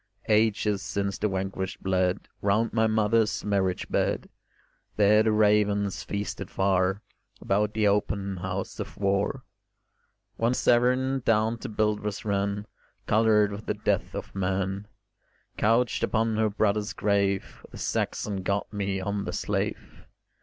Ages since the vanquished bled Round my mother's marriage bed; There the ravens feasted far About the open house of war: When Severn down to Buildwas ran Coloured with the death of man, Couched upon her brother's grave The Saxon got me on the slave.